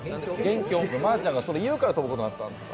まーちゃんが言うから飛ぶことになったんですから。